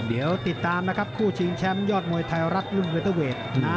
เดี๋ยวติดตามนะครับคู่ชิงแชมป์ยอดมวยไทยรัฐรุ่นเวเตอร์เวท